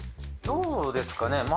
どうですかね。